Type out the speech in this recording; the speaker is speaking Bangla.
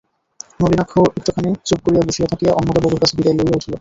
নলিনাক্ষ একটুখানি চুপ করিয়া বসিয়া থাকিয়া অন্নদাবাবুর কাছে বিদায় লইয়া উঠিল।